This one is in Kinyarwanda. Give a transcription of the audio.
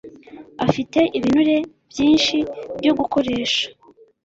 afite ibinure byinshi byo gukoresha